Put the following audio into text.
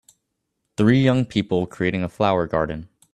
Three young people creating a flower garden